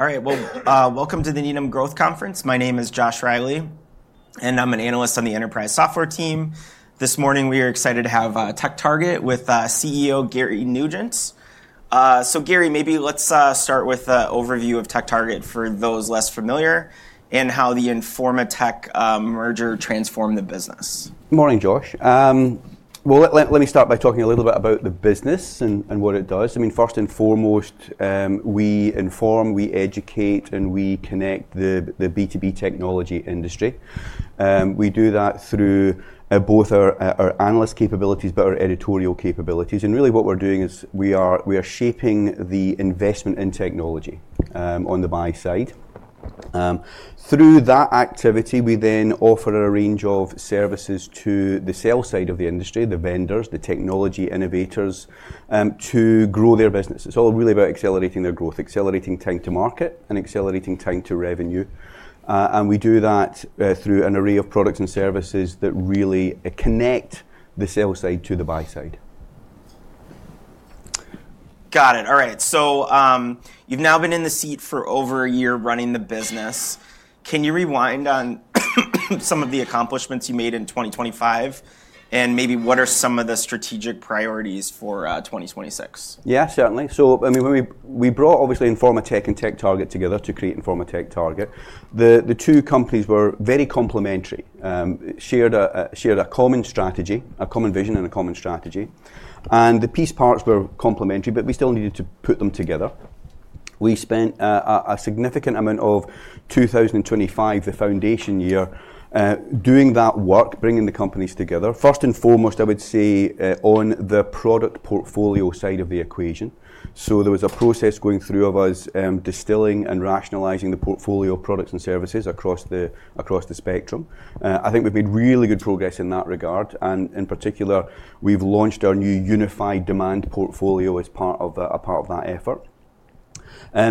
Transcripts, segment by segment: All right, well, welcome to the Needham Growth Conference. My name is Josh Reilly, and I'm an analyst on the enterprise software team. This morning, we are excited to have TechTarget with CEO Gary Nugent. So, Gary, maybe let's start with an overview of TechTarget for those less familiar and how the Informa Tech merger transformed the business. Good morning, Josh. Let me start by talking a little bit about the business and what it does. I mean, first and foremost, we inform, we educate, and we connect the B2B technology industry. We do that through both our analyst capabilities but our editorial capabilities. Really, what we're doing is we are shaping the investment in technology on the buy side. Through that activity, we then offer a range of services to the sell side of the industry, the vendors, the technology innovators, to grow their business. It's all really about accelerating their growth, accelerating time to market, and accelerating time to revenue. We do that through an array of products and services that really connect the sell side to the buy side. Got it. All right. So you've now been in the seat for over a year running the business. Can you rewind on some of the accomplishments you made in 2025, and maybe what are some of the strategic priorities for 2026? Yeah, certainly, so, I mean, we brought, obviously, Informa Tech and TechTarget together to create Informa TechTarget. The two companies were very complementary, shared a common strategy, a common vision, and a common strategy and the piece parts were complementary, but we still needed to put them together. We spent a significant amount of 2025, the foundation year, doing that work, bringing the companies together. First and foremost, I would say, on the product portfolio side of the equation, so there was a process going through of us distilling and rationalizing the portfolio of products and services across the spectrum. I think we've made really good progress in that regard, and in particular, we've launched our new unified demand portfolio as part of that effort.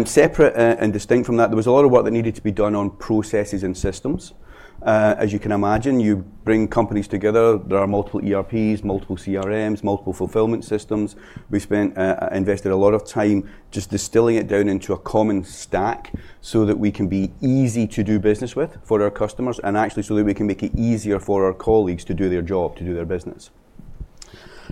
Separate and distinct from that, there was a lot of work that needed to be done on processes and systems. As you can imagine, you bring companies together. There are multiple ERPs, multiple CRMs, multiple fulfillment systems. We spent, invested a lot of time just distilling it down into a common stack so that we can be easy to do business with for our customers and actually so that we can make it easier for our colleagues to do their job, to do their business.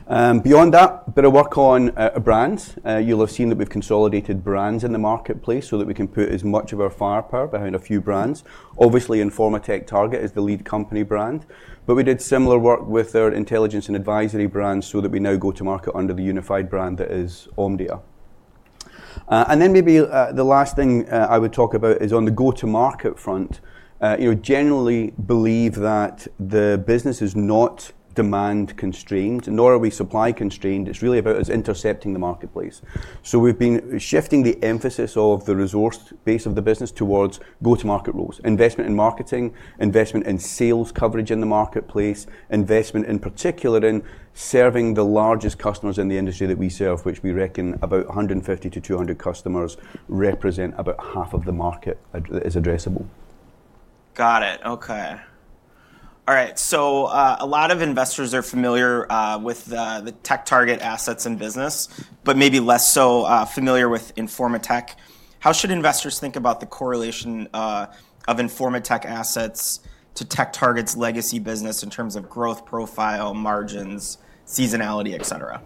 Beyond that, a bit of work on brands. You'll have seen that we've consolidated brands in the marketplace so that we can put as much of our firepower behind a few brands. Obviously, Informa TechTarget is the lead company brand. But we did similar work with our intelligence and advisory brands so that we now go to market under the unified brand that is Omdia. And then maybe the last thing I would talk about is on the go-to-market front. Generally, I believe that the business is not demand-constrained, nor are we supply-constrained. It's really about us intercepting the marketplace. So we've been shifting the emphasis of the resource base of the business towards go-to-market roles, investment in marketing, investment in sales coverage in the marketplace, investment in particular in serving the largest customers in the industry that we serve, which we reckon about 150-200 customers represent about half of the market that is addressable. Got it. Okay. All right. So a lot of investors are familiar with the TechTarget assets and business, but maybe less so familiar with Informa Tech. How should investors think about the correlation of Informa Tech assets to TechTarget's legacy business in terms of growth profile, margins, seasonality, et cetera?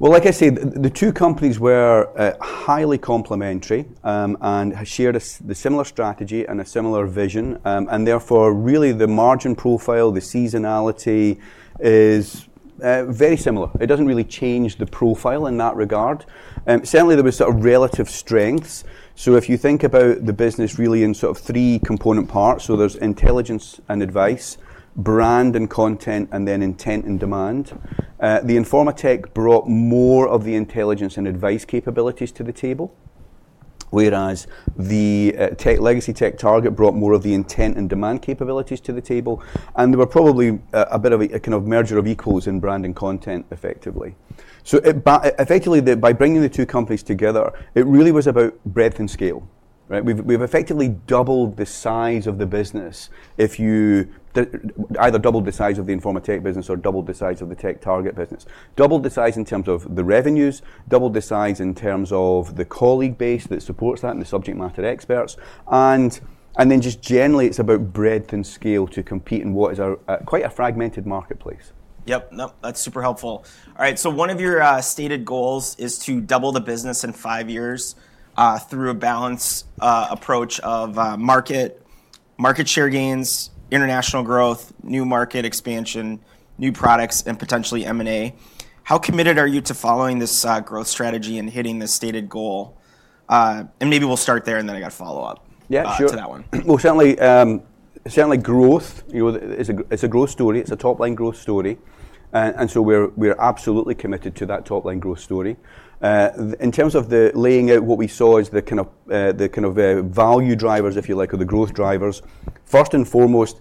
Like I say, the two companies were highly complementary and shared a similar strategy and a similar vision. Therefore, really, the margin profile, the seasonality is very similar. It doesn't really change the profile in that regard. Certainly, there were sort of relative strengths. If you think about the business really in sort of three component parts, so there's intelligence and advisory, brand and content, and then intent and demand. The Informa Tech brought more of the intelligence and advisory capabilities to the table, whereas the legacy TechTarget brought more of the intent and demand capabilities to the table. There were probably a bit of a kind of merger of equals in brand and content, effectively. Effectively, by bringing the two companies together, it really was about breadth and scale. We've effectively doubled the size of the business. If you either doubled the size of the Informa Tech business or doubled the size of the TechTarget business, doubled the size in terms of the revenues, doubled the size in terms of the colleague base that supports that and the subject matter experts, and then just generally, it's about breadth and scale to compete in what is quite a fragmented marketplace. Yep. No, that's super helpful. All right. So one of your stated goals is to double the business in five years through a balanced approach of market share gains, international growth, new market expansion, new products, and potentially M&A. How committed are you to following this growth strategy and hitting the stated goal? And maybe we'll start there, and then I got to follow up to that one. Yeah, sure. Well, certainly, growth, it's a growth story. It's a top-line growth story, and so we're absolutely committed to that top-line growth story. In terms of the laying out, what we saw is the kind of value drivers, if you like, or the growth drivers. First and foremost,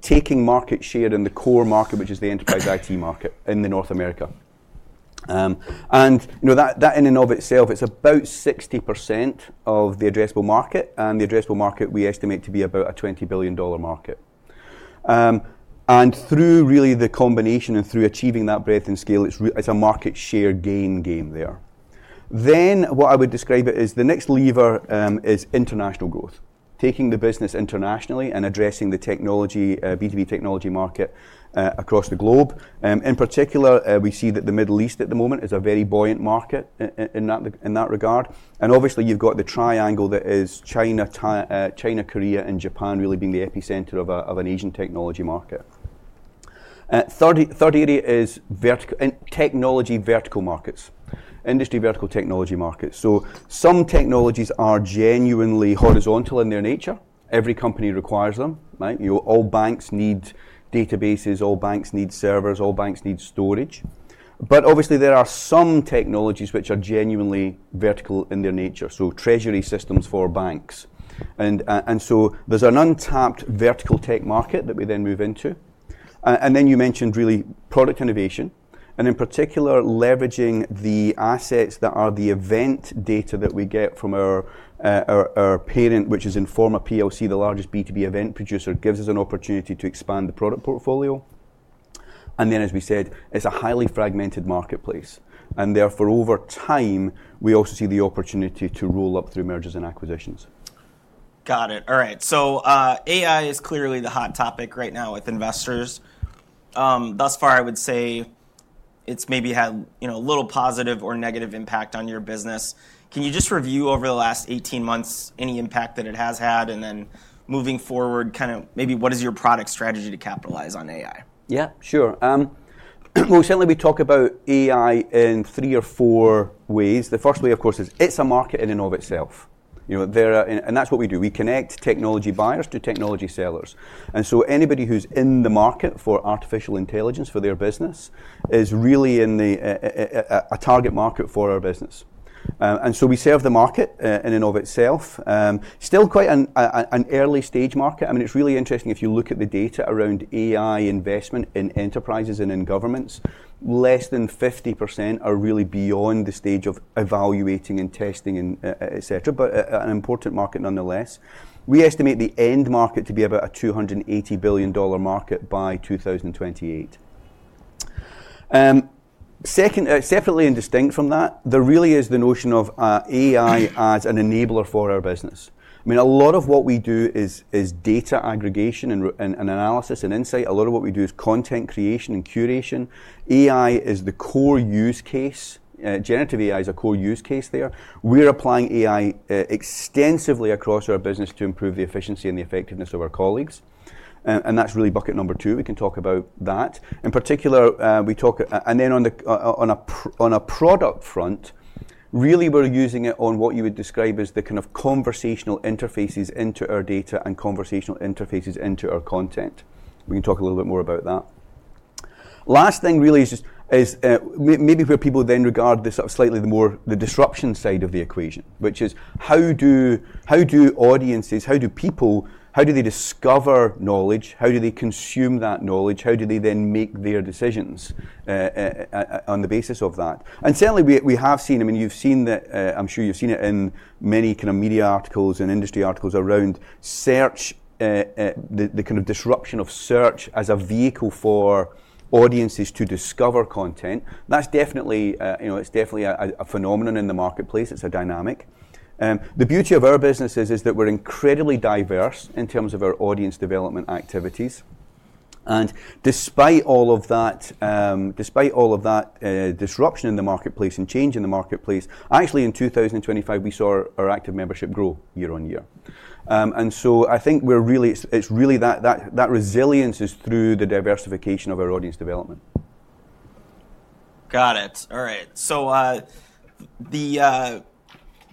taking market share in the core market, which is the enterprise IT market in North America, and that in and of itself, it's about 60% of the addressable market, and the addressable market we estimate to be about a $20 billion market, and through really the combination and through achieving that breadth and scale, it's a market share gain game there, then what I would describe it as the next lever is international growth, taking the business internationally and addressing the technology, B2B technology market across the globe. In particular, we see that the Middle East at the moment is a very buoyant market in that regard. And obviously, you've got the triangle that is China, Korea, and Japan really being the epicenter of an Asian technology market. Third area is technology vertical markets, industry vertical technology markets. So some technologies are genuinely horizontal in their nature. Every company requires them. All banks need databases. All banks need servers. All banks need storage. But obviously, there are some technologies which are genuinely vertical in their nature, so treasury systems for banks. And so there's an untapped vertical tech market that we then move into. And then you mentioned really product innovation. And in particular, leveraging the assets that are the event data that we get from our parent, which is Informa PLC, the largest B2B event producer, gives us an opportunity to expand the product portfolio. And then, as we said, it's a highly fragmented marketplace. And therefore, over time, we also see the opportunity to roll up through mergers and acquisitions. Got it. All right. So AI is clearly the hot topic right now with investors. Thus far, I would say it's maybe had a little positive or negative impact on your business. Can you just review over the last 18 months any impact that it has had? And then moving forward, kind of maybe what is your product strategy to capitalize on AI? Yeah, sure. Well, certainly, we talk about AI in three or four ways. The first way, of course, is it's a market in and of itself. And that's what we do. We connect technology buyers to technology sellers. And so anybody who's in the market for artificial intelligence for their business is really in a target market for our business. And so we serve the market in and of itself. Still quite an early stage market. I mean, it's really interesting if you look at the data around AI investment in enterprises and in governments, less than 50% are really beyond the stage of evaluating and testing, et cetera, but an important market nonetheless. We estimate the end market to be about a $280 billion market by 2028. Separately and distinct from that, there really is the notion of AI as an enabler for our business. I mean, a lot of what we do is data aggregation and analysis and insight. A lot of what we do is content creation and curation. AI is the core use case. Generative AI is a core use case there. We're applying AI extensively across our business to improve the efficiency and the effectiveness of our colleagues, and that's really bucket number two. We can talk about that. In particular, we talk and then on a product front, really, we're using it on what you would describe as the kind of conversational interfaces into our data and conversational interfaces into our content. We can talk a little bit more about that. Last thing really is maybe where people then regard the sort of slightly more, the disruption side of the equation, which is how do audiences, how do people, how do they discover knowledge? How do they consume that knowledge? How do they then make their decisions on the basis of that? And certainly, we have seen, I mean, you've seen that. I'm sure you've seen it in many kind of media articles and industry articles around search, the kind of disruption of search as a vehicle for audiences to discover content. That's definitely, it's definitely a phenomenon in the marketplace. It's a dynamic. The beauty of our businesses is that we're incredibly diverse in terms of our audience development activities. And despite all of that, despite all of that disruption in the marketplace and change in the marketplace, actually, in 2025, we saw our active membership grow year-on-year. And so I think we're really, it's really that resilience is through the diversification of our audience development. Got it. All right. So the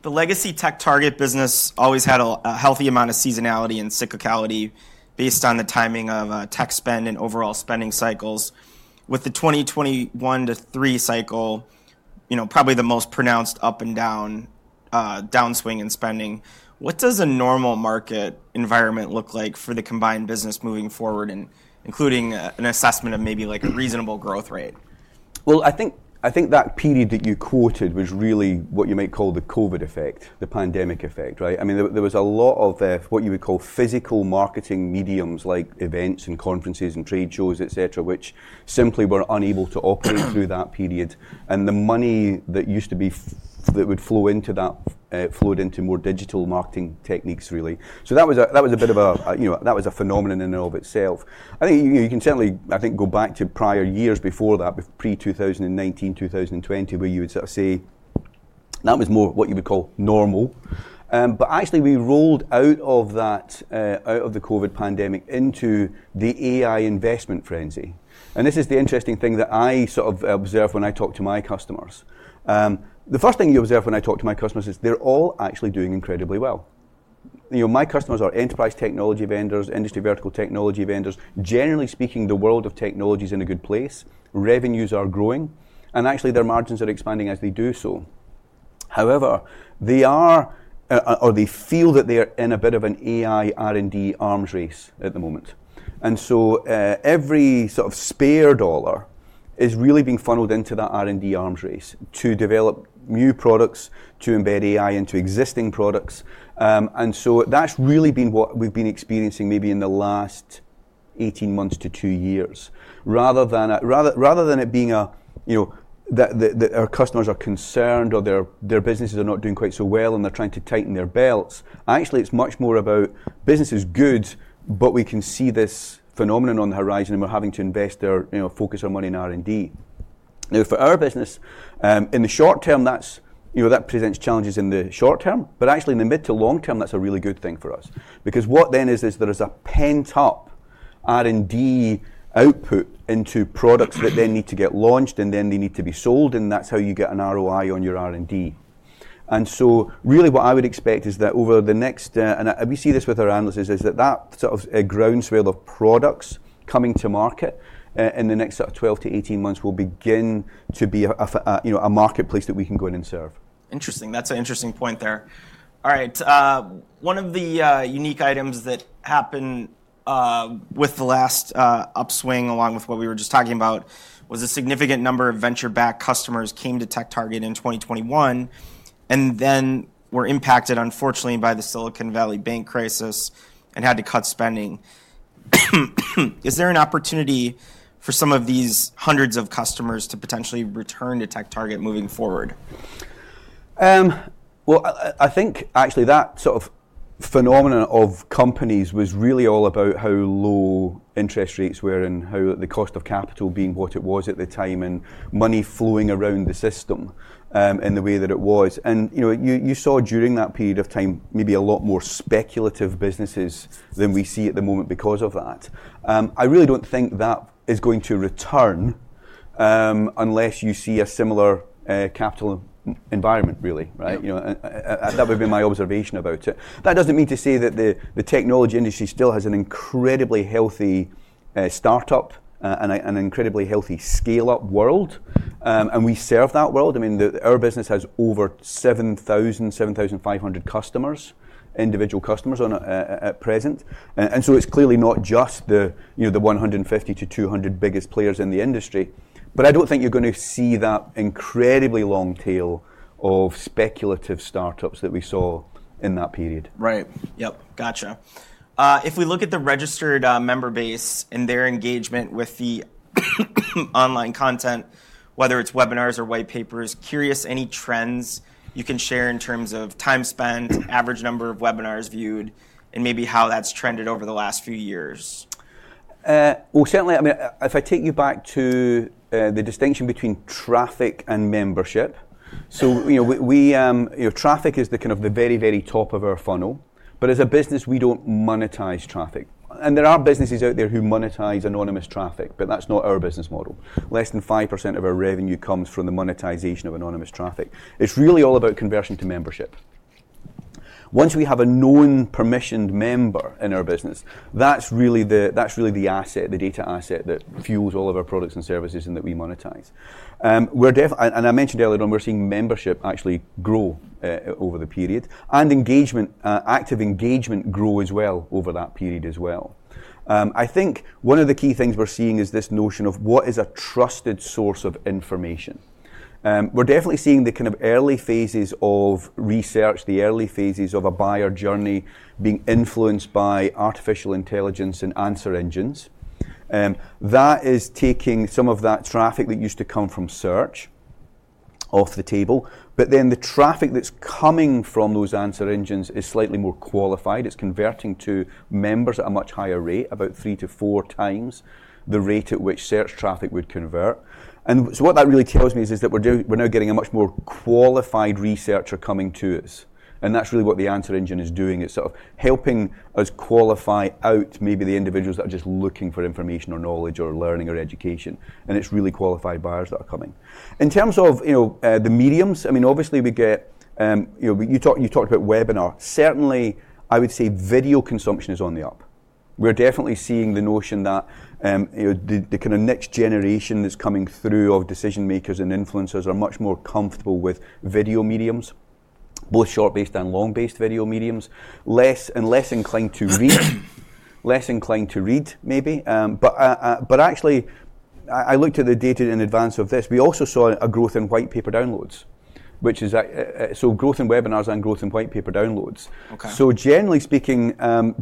legacy TechTarget business always had a healthy amount of seasonality and cyclicality based on the timing of tech spend and overall spending cycles. With the 2021 to 2023 cycle, probably the most pronounced up and downswing in spending, what does a normal market environment look like for the combined business moving forward, including an assessment of maybe like a reasonable growth rate? I think that period that you quoted was really what you might call the COVID effect, the pandemic effect, right? I mean, there was a lot of what you would call physical marketing mediums like events and conferences and trade shows, et cetera, which simply were unable to operate through that period, and the money that used to be that would flow into that flowed into more digital marketing techniques, really, so that was a bit of a, that was a phenomenon in and of itself. I think you can certainly, I think, go back to prior years before that, pre-2019, 2020, where you would sort of say that was more what you would call normal, but actually, we rolled out of that, out of the COVID pandemic into the AI investment frenzy. This is the interesting thing that I sort of observe when I talk to my customers. The first thing you observe when I talk to my customers is they're all actually doing incredibly well. My customers are enterprise technology vendors, industry vertical technology vendors. Generally speaking, the world of technology is in a good place. Revenues are growing. And actually, their margins are expanding as they do so. However, they are or they feel that they are in a bit of an AI R&D arms race at the moment. And so every sort of spare dollar is really being funneled into that R&D arms race to develop new products, to embed AI into existing products. And so that's really been what we've been experiencing maybe in the last 18 months to two years. Rather than it being, our customers are concerned or their businesses are not doing quite so well and they're trying to tighten their belts. Actually, it's much more about business is good, but we can see this phenomenon on the horizon and we're having to invest or focus our money in R&D. Now, for our business, in the short term, that presents challenges in the short term, but actually, in the mid to long term, that's a really good thing for us. Because what then is there is a pent-up R&D output into products that then need to get launched and then they need to be sold, and that's how you get an ROI on your R&D. Really, what I would expect is that over the next, and we see this with our analysts, is that that sort of groundswell of products coming to market in the next sort of 12-18 months will begin to be a marketplace that we can go in and serve. Interesting. That's an interesting point there. All right. One of the unique items that happened with the last upswing along with what we were just talking about was a significant number of venture-backed customers came to TechTarget in 2021 and then were impacted, unfortunately, by the Silicon Valley Bank crisis and had to cut spending. Is there an opportunity for some of these hundreds of customers to potentially return to TechTarget moving forward? I think actually that sort of phenomenon of companies was really all about how low interest rates were and how the cost of capital being what it was at the time and money flowing around the system in the way that it was. You saw during that period of time maybe a lot more speculative businesses than we see at the moment because of that. I really don't think that is going to return unless you see a similar capital environment, really, right? That would have been my observation about it. That doesn't mean to say that the technology industry still has an incredibly healthy startup and an incredibly healthy scale-up world. We serve that world. I mean, our business has over 7,000-7,500 customers, individual customers at present. It's clearly not just the 150 to 200 biggest players in the industry. But I don't think you're going to see that incredibly long tail of speculative startups that we saw in that period. Right. Yep. Gotcha. If we look at the registered member base and their engagement with the online content, whether it's webinars or white papers, curious any trends you can share in terms of time spent, average number of webinars viewed, and maybe how that's trended over the last few years? Certainly, I mean, if I take you back to the distinction between traffic and membership, so traffic is the kind of the very, very top of our funnel, but as a business, we don't monetize traffic, and there are businesses out there who monetize anonymous traffic, but that's not our business model. Less than 5% of our revenue comes from the monetization of anonymous traffic. It's really all about conversion to membership. Once we have a known permissioned member in our business, that's really the asset, the data asset that fuels all of our products and services and that we monetize, and I mentioned earlier on, we're seeing membership actually grow over the period and engagement, active engagement grow as well over that period as well. I think one of the key things we're seeing is this notion of what is a trusted source of information. We're definitely seeing the kind of early phases of research, the early phases of a buyer journey being influenced by artificial intelligence and answer engines. That is taking some of that traffic that used to come from search off the table. But then the traffic that's coming from those answer engines is slightly more qualified. It's converting to members at a much higher rate, about three to four times the rate at which search traffic would convert. And so what that really tells me is that we're now getting a much more qualified researcher coming to us. And that's really what the answer engine is doing. It's sort of helping us qualify out maybe the individuals that are just looking for information or knowledge or learning or education. And it's really qualified buyers that are coming. In terms of the mediums, I mean, obviously we get, you talked about webinar. Certainly, I would say video consumption is on the up. We're definitely seeing the notion that the kind of next generation that's coming through of decision makers and influencers are much more comfortable with video mediums, both short-based and long-based video mediums, and less inclined to read, less inclined to read maybe. But actually, I looked at the data in advance of this. We also saw a growth in white paper downloads, which is so growth in webinars and growth in white paper downloads. So generally speaking,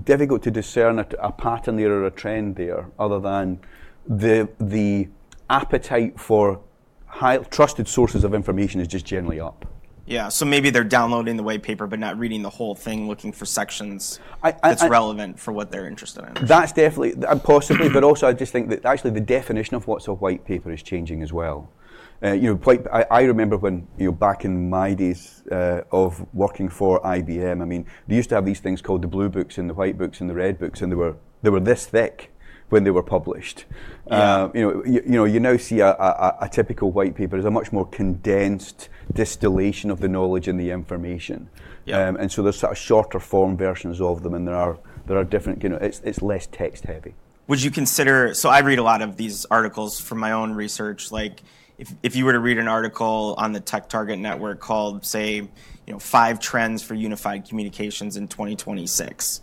difficult to discern a pattern there or a trend there other than the appetite for trusted sources of information is just generally up. Yeah. So maybe they're downloading the white paper, but not reading the whole thing, looking for sections that's relevant for what they're interested in. That's definitely possible. But also, I just think that actually the definition of what's a white paper is changing as well. I remember back in my days of working for IBM. I mean, they used to have these things called the blue books and the white books and the red books. And they were this thick when they were published. You now see a typical white paper is a much more condensed distillation of the knowledge and the information. And so there's sort of shorter form versions of them. And there are different. It's less text heavy. Would you consider so I read a lot of these articles from my own research. If you were to read an article on the TechTarget network called, say, "Five Trends for Unified Communications in 2026,"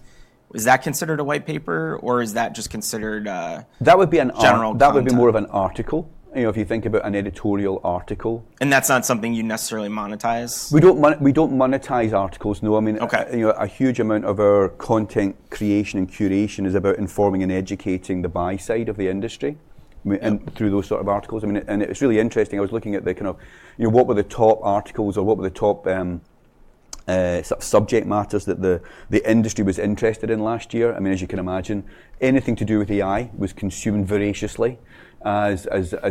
is that considered a white paper or is that just considered a general public? That would be more of an article. If you think about an editorial article. That's not something you necessarily monetize? We don't monetize articles, no. I mean, a huge amount of our content creation and curation is about informing and educating the buy side of the industry through those sort of articles. I mean, and it's really interesting. I was looking at the kind of what were the top articles or what were the top subject matters that the industry was interested in last year. I mean, as you can imagine, anything to do with AI was consumed voraciously as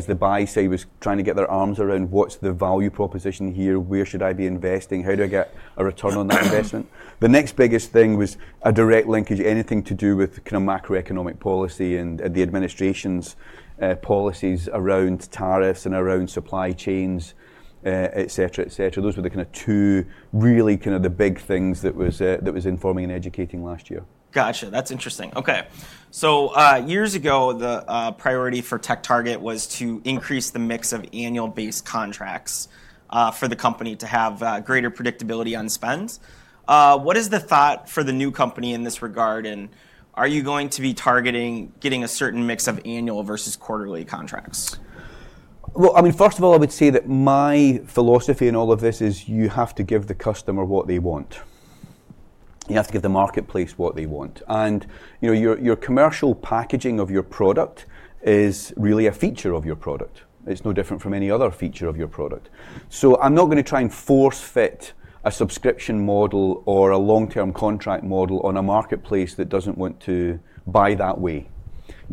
the buy side was trying to get their arms around what's the value proposition here, where should I be investing, how do I get a return on that investment. The next biggest thing was a direct linkage, anything to do with kind of macroeconomic policy and the administration's policies around tariffs and around supply chains, et cetera, et cetera. Those were the kind of two really kind of the big things that was informing and educating last year. Gotcha. That's interesting. Okay. So years ago, the priority for TechTarget was to increase the mix of annual-based contracts for the company to have greater predictability on spend. What is the thought for the new company in this regard? And are you going to be targeting getting a certain mix of annual versus quarterly contracts? Well, I mean, first of all, I would say that my philosophy in all of this is you have to give the customer what they want. You have to give the marketplace what they want. And your commercial packaging of your product is really a feature of your product. It's no different from any other feature of your product. So I'm not going to try and force-fit a subscription model or a long-term contract model on a marketplace that doesn't want to buy that way.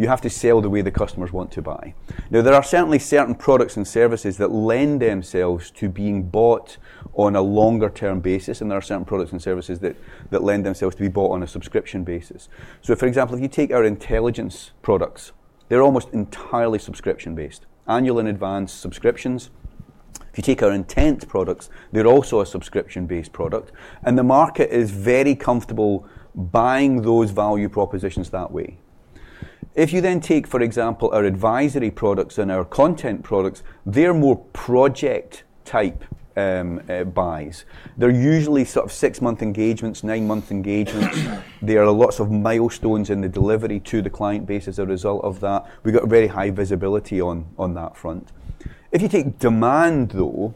You have to sell the way the customers want to buy. Now, there are certainly certain products and services that lend themselves to being bought on a longer-term basis. And there are certain products and services that lend themselves to be bought on a subscription basis. So for example, if you take our intelligence products, they're almost entirely subscription-based, annual and advanced subscriptions. If you take our intent products, they're also a subscription-based product, and the market is very comfortable buying those value propositions that way. If you then take, for example, our advisory products and our content products, they're more project-type buys. They're usually sort of six-month engagements, nine-month engagements. There are lots of milestones in the delivery to the client base as a result of that. We got very high visibility on that front. If you take demand, though,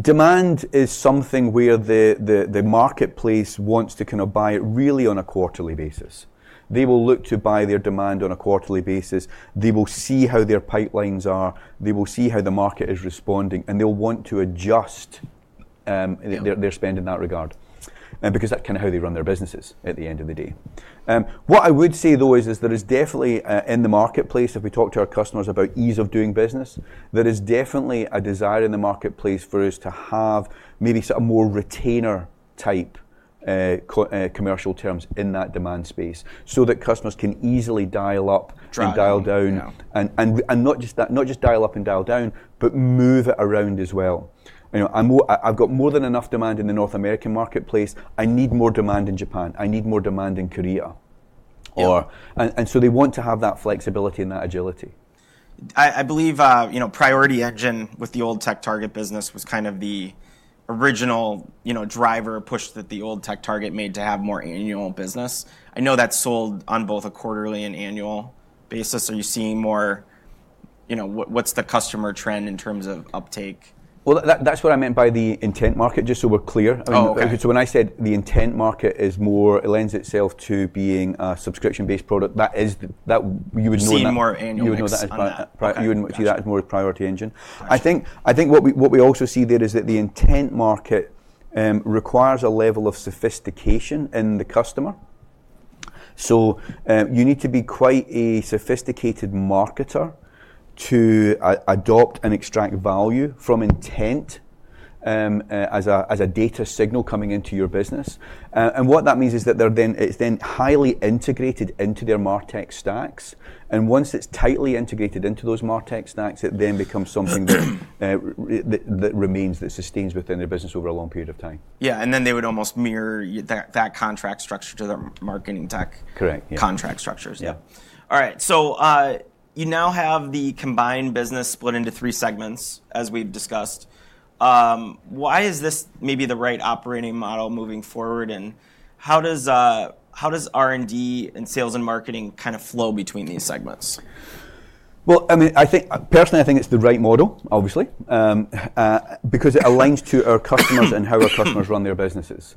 demand is something where the marketplace wants to kind of buy it really on a quarterly basis. They will look to buy their demand on a quarterly basis. They will see how their pipelines are. They will see how the market is responding, and they'll want to adjust their spend in that regard. Because that's kind of how they run their businesses at the end of the day. What I would say, though, is there is definitely in the marketplace, if we talk to our customers about ease of doing business, there is definitely a desire in the marketplace for us to have maybe sort of more retainer-type commercial terms in that demand space so that customers can easily dial up and dial down, and not just dial up and dial down, but move it around as well. I've got more than enough demand in the North American marketplace. I need more demand in Japan. I need more demand in Korea, and so they want to have that flexibility and that agility. I believe Priority Engine with the old TechTarget business was kind of the original driver push that the old TechTarget made to have more annual business. I know that's sold on both a quarterly and annual basis. Are you seeing more? What's the customer trend in terms of uptake? That's what I meant by the intent market, just so we're clear. When I said the intent market lends itself to being a subscription-based product, that is, you would know that. You see more annual. You would know that as well. You would see that as more Priority Engine. I think what we also see there is that the intent market requires a level of sophistication in the customer, so you need to be quite a sophisticated marketer to adopt and extract value from intent as a data signal coming into your business, and what that means is that it's then highly integrated into their martech stacks, and once it's tightly integrated into those martech stacks, it then becomes something that remains that sustains within their business over a long period of time. Yeah. And then they would almost mirror that contract structure to their marketing tech contract structures. Correct. Yeah. All right, so you now have the combined business split into three segments, as we've discussed. Why is this maybe the right operating model moving forward, and how does R&D and sales and marketing kind of flow between these segments? Well, I mean, personally, I think it's the right model, obviously, because it aligns to our customers and how our customers run their businesses.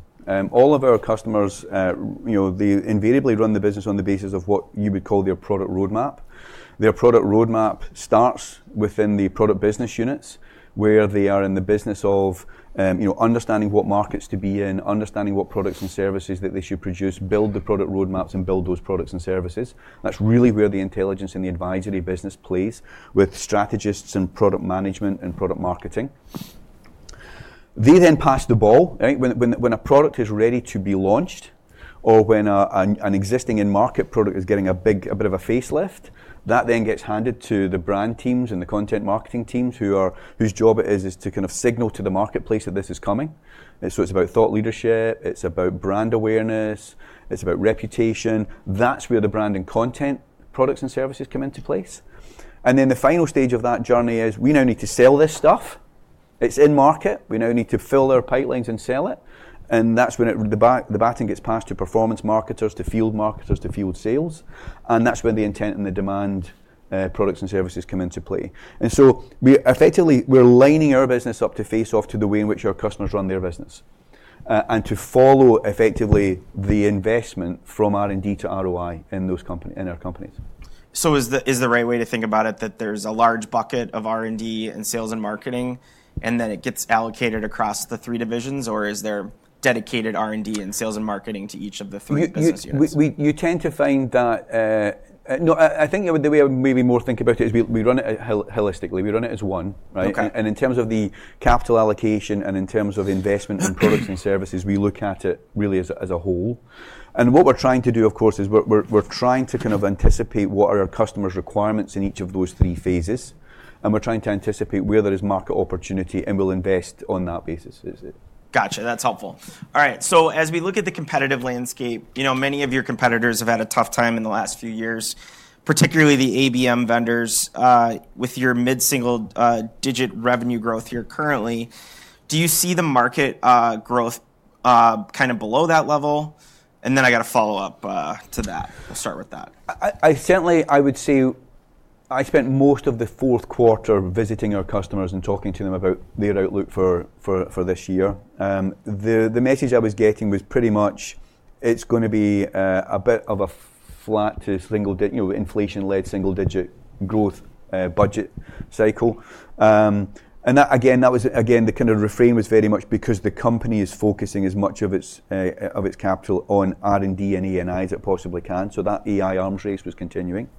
All of our customers, they invariably run the business on the basis of what you would call their product roadmap. Their product roadmap starts within the product business units where they are in the business of understanding what markets to be in, understanding what products and services that they should produce, build the product roadmaps, and build those products and services. That's really where the intelligence and the advisory business plays with strategists and product management and product marketing. They then pass the ball. When a product is ready to be launched or when an existing in-market product is getting a bit of a facelift, that then gets handed to the brand teams and the content marketing teams whose job it is to kind of signal to the marketplace that this is coming. So it's about thought leadership. It's about brand awareness. It's about reputation. That's where the brand and content products and services come into place. And then the final stage of that journey is we now need to sell this stuff. It's in-market. We now need to fill our pipelines and sell it. And that's when the baton gets passed to performance marketers, to field marketers, to field sales. And that's when the intent and the demand products and services come into play. Effectively, we're lining our business up to face off to the way in which our customers run their business and to follow effectively the investment from R&D to ROI in our companies. So is the right way to think about it that there's a large bucket of R&D and sales and marketing, and then it gets allocated across the three divisions? Or is there dedicated R&D and sales and marketing to each of the three business units? You tend to find that I think the way I maybe more think about it is we run it holistically. We run it as one, and in terms of the capital allocation and in terms of investment in products and services, we look at it really as a whole, and what we're trying to do, of course, is we're trying to kind of anticipate what are our customers' requirements in each of those three phases, and we're trying to anticipate where there is market opportunity and we'll invest on that basis. Gotcha. That's helpful. All right. So as we look at the competitive landscape, many of your competitors have had a tough time in the last few years, particularly the ABM vendors with your mid-single-digit revenue growth here currently. Do you see the market growth kind of below that level? And then I got a follow-up to that. We'll start with that. Certainly, I would say I spent most of the fourth quarter visiting our customers and talking to them about their outlook for this year. The message I was getting was pretty much it's going to be a bit of a flat to single-digit inflation-led single-digit growth budget cycle. And again, the kind of refrain was very much because the company is focusing as much of its capital on R&D and AI as it possibly can. So that AI arms race was continuing.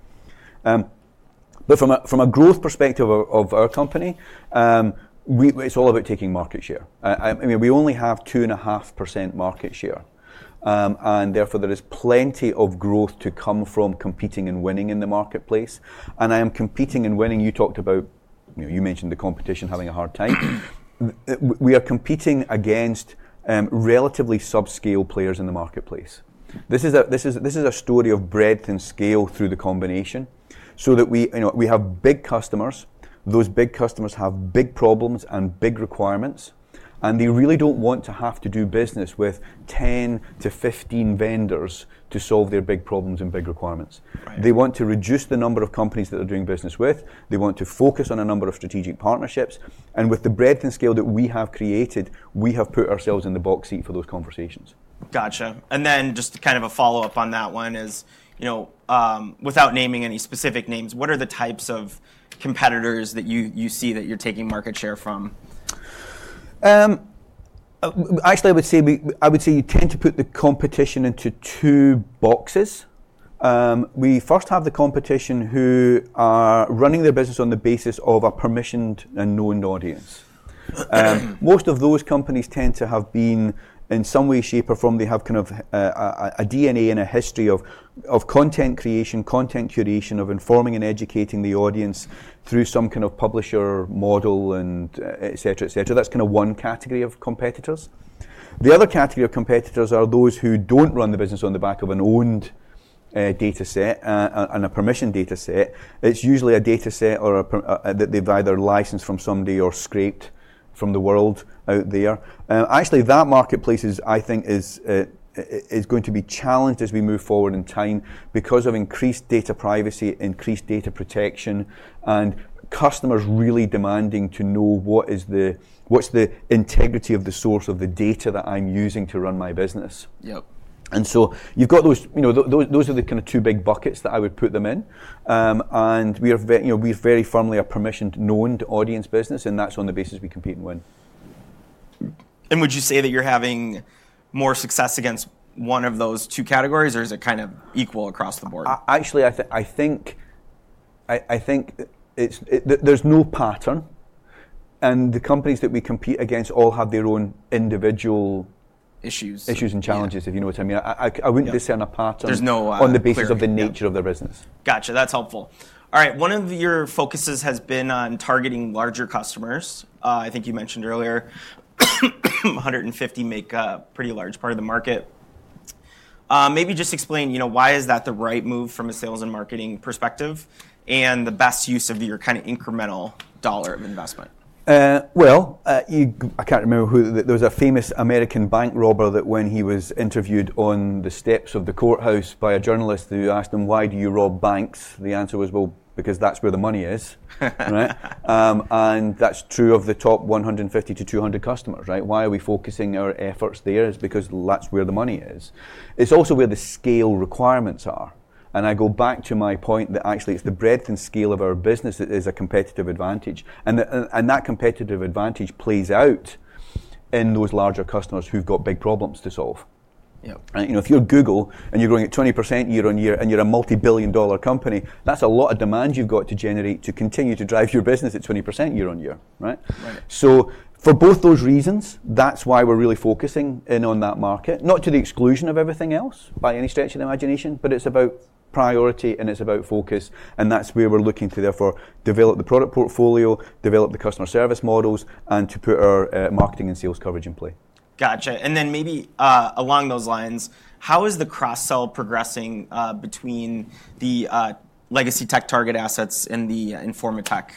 But from a growth perspective of our company, it's all about taking market share. I mean, we only have 2.5% market share. And therefore, there is plenty of growth to come from competing and winning in the marketplace. And I am competing and winning. You talked about, you mentioned the competition having a hard time. We are competing against relatively subscale players in the marketplace. This is a story of breadth and scale through the combination, so that we have big customers. Those big customers have big problems and big requirements, and they really don't want to have to do business with 10-15 vendors to solve their big problems and big requirements. They want to reduce the number of companies that they're doing business with. They want to focus on a number of strategic partnerships, and with the breadth and scale that we have created, we have put ourselves in the box seat for those conversations. Gotcha. And then just kind of a follow-up on that one is, without naming any specific names, what are the types of competitors that you see that you're taking market share from? Actually, I would say you tend to put the competition into two boxes. We first have the competition who are running their business on the basis of a permissioned and known audience. Most of those companies tend to have been in some way, shape, or form, they have kind of a DNA and a history of content creation, content curation, of informing and educating the audience through some kind of publisher model, et cetera, et cetera. That's kind of one category of competitors. The other category of competitors are those who don't run the business on the back of an owned data set and a permissioned data set. It's usually a data set that they've either licensed from somebody or scraped from the world out there. Actually, that marketplace, I think, is going to be challenged as we move forward in time because of increased data privacy, increased data protection, and customers really demanding to know what's the integrity of the source of the data that I'm using to run my business. And so you've got those are the kind of two big buckets that I would put them in. And we're very firmly a permissioned known audience business. And that's on the basis we compete and win. Would you say that you're having more success against one of those two categories? Or is it kind of equal across the board? Actually, I think there's no pattern, and the companies that we compete against all have their own individual issues and challenges, if you know what I mean. I wouldn't discern a pattern on the basis of the nature of their business. Gotcha. That's helpful. All right. One of your focuses has been on targeting larger customers. I think you mentioned earlier 150 make a pretty large part of the market. Maybe just explain why is that the right move from a sales and marketing perspective and the best use of your kind of incremental dollar of investment? I can't remember who. There was a famous American bank robber that when he was interviewed on the steps of the courthouse by a journalist who asked him, "Why do you rob banks?" The answer was, "Well, because that's where the money is." And that's true of the top 150-200 customers. Why are we focusing our efforts there? It's because that's where the money is. It's also where the scale requirements are. And I go back to my point that actually it's the breadth and scale of our business that is a competitive advantage. And that competitive advantage plays out in those larger customers who've got big problems to solve. If you're Google and you're growing at 20% year-on-year and you're a multi-billion dollar company, that's a lot of demand you've got to generate to continue to drive your business at 20% year-on-year. So for both those reasons, that's why we're really focusing in on that market. Not to the exclusion of everything else by any stretch of the imagination, but it's about priority and it's about focus. And that's where we're looking to therefore develop the product portfolio, develop the customer service models, and to put our marketing and sales coverage in play. Gotcha. And then maybe along those lines, how is the cross-sell progressing between the legacy TechTarget assets and the Informa Tech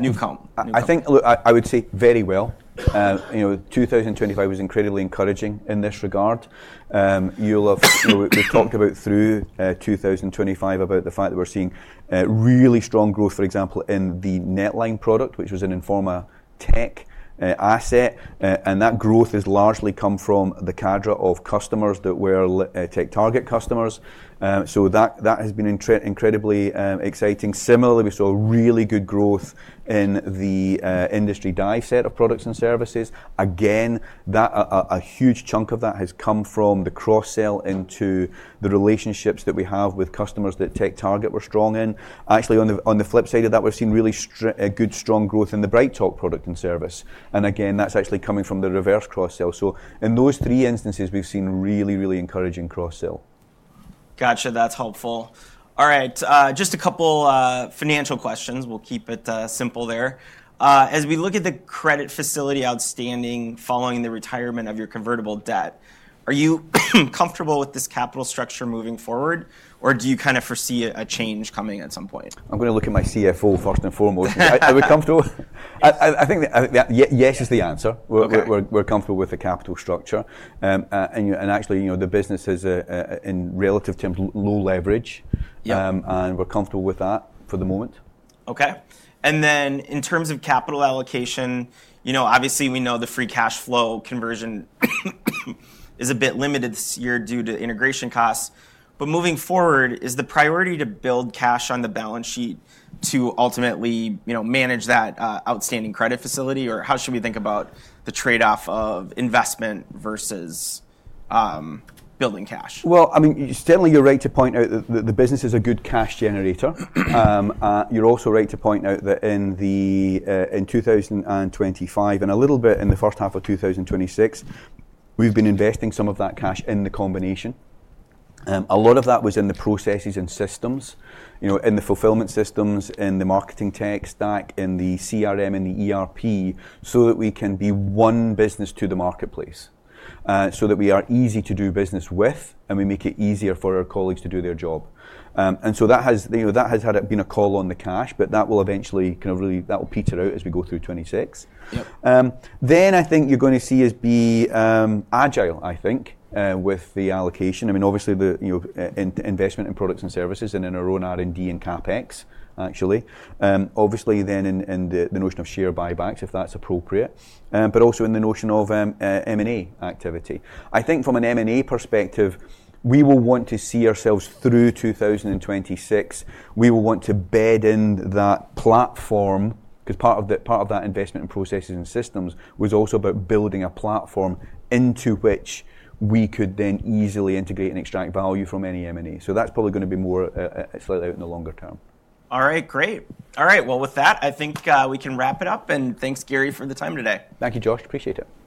newcomer? I think, look, I would say very well. 2025 was incredibly encouraging in this regard. We've talked about through 2025 about the fact that we're seeing really strong growth, for example, in the NetLine product, which was an Informa Tech asset, and that growth has largely come from the cadre of customers that were TechTarget customers. So that has been incredibly exciting. Similarly, we saw really good growth in the Industry Dive set of products and services. Again, a huge chunk of that has come from the cross-sell into the relationships that we have with customers that TechTarget were strong in. Actually, on the flip side of that, we've seen really good strong growth in the BrightTALK product and service, and again, that's actually coming from the reverse cross-sell. So in those three instances, we've seen really, really encouraging cross-sell. Gotcha. That's helpful. All right. Just a couple of financial questions. We'll keep it simple there. As we look at the credit facility outstanding following the retirement of your convertible debt, are you comfortable with this capital structure moving forward? Or do you kind of foresee a change coming at some point? I'm going to look at my CFO first and foremost. Are we comfortable? I think yes is the answer. We're comfortable with the capital structure. And actually, the business is in relative terms low leverage. And we're comfortable with that for the moment. Okay. And then in terms of capital allocation, obviously, we know the free cash flow conversion is a bit limited this year due to integration costs. But moving forward, is the priority to build cash on the balance sheet to ultimately manage that outstanding credit facility? Or how should we think about the trade-off of investment versus building cash? Well, I mean, certainly you're right to point out that the business is a good cash generator. You're also right to point out that in 2025 and a little bit in the first half of 2026, we've been investing some of that cash in the combination. A lot of that was in the processes and systems, in the fulfillment systems, in the marketing tech stack, in the CRM, in the ERP so that we can be one business to the marketplace, so that we are easy to do business with and we make it easier for our colleagues to do their job. And so that has had been a call on the cash, but that will eventually kind of really that will peter out as we go through 2026. Then I think you're going to see us be agile, I think, with the allocation. I mean, obviously, the investment in products and services and in our own R&D and CapEx, actually. Obviously, then in the notion of share buy backs if that's appropriate, but also in the notion of M&A activity. I think from an M&A perspective, we will want to see ourselves through 2026. We will want to bed in that platform because part of that investment in processes and systems was also about building a platform into which we could then easily integrate and extract value from any M&A. So that's probably going to be more slightly out in the longer term. All right. Great. All right. Well, with that, I think we can wrap it up, and thanks, Gary, for the time today. Thank you, Josh. Appreciate it.